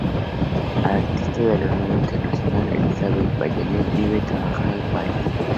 Artista de renombre internacional, Élisabeth Ballet vive y trabaja en París.